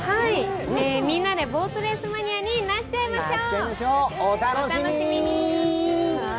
みんなでボートレースマニアになっちゃいましょう！